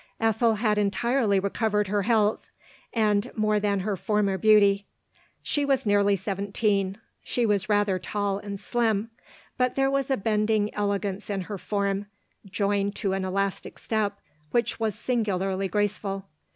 Ethel had entirely re covered her health, and more than her former beauty. She was nearly seventeen : she was rather tall and slim ; but there was a bending elegance in her form, joined to an elastic step, which was singularly graceful.